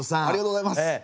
ありがとうございます。